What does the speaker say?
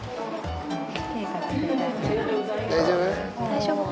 大丈夫？